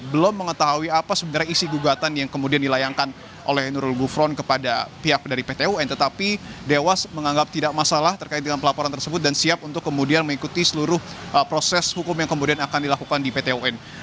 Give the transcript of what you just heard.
belum mengetahui apa sebenarnya isi gugatan yang kemudian dilayangkan oleh nurul gufron kepada pihak dari pt un tetapi dewas menganggap tidak masalah terkait dengan pelaporan tersebut dan siap untuk kemudian mengikuti seluruh proses hukum yang kemudian akan dilakukan di pt un